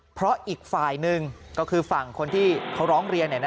เพราะอีกฝ่ายหนึ่งก็คือฝั่งคนที่เขาร้องเรียน